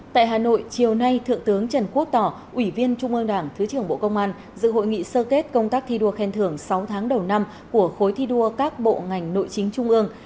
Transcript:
tại hà nội chiều nay thượng tướng trần quốc tỏ ủy viên trung ương đảng thứ trưởng bộ công an dự hội nghị sơ kết công tác thi đua khen thưởng sáu tháng đầu năm của khối thi đua các bộ ngành nội chính trung ương